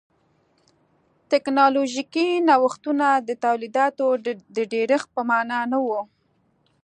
ټکنالوژیکي نوښتونه د تولیداتو د ډېرښت په معنا نه و.